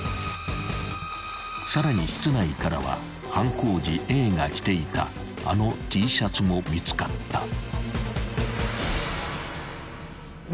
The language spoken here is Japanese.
［さらに室内からは犯行時Ａが着ていたあのＴシャツも見つかった］